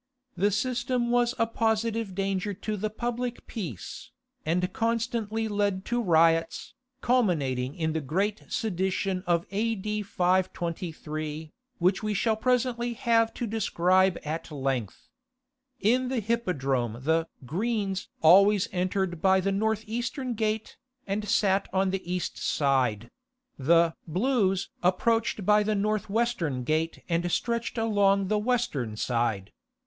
The system was a positive danger to the public peace, and constantly led to riots, culminating in the great sedition of A.D. 523, which we shall presently have to describe at length. In the Hippodrome the "Greens" always entered by the north eastern gate, and sat on the east side; the "Blues" approached by the north western gate and stretched along the western side.